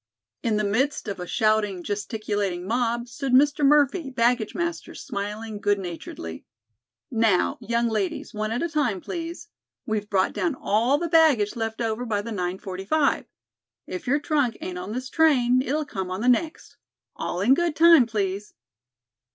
In the midst of a shouting, gesticulating mob stood Mr. Murphy, baggage master, smiling good naturedly. "Now, young ladies, one at a time, please. We've brought down all the baggage left over by the 9.45. If your trunk ain't on this train, it'll come on the next. All in good time, please."